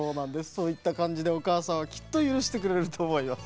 そういったかんじでおかあさんはきっとゆるしてくれるとおもいます。